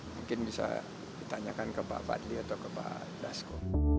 mungkin bisa ditanyakan kepada pak badli atau kepada dasko